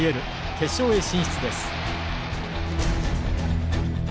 決勝へ進出です。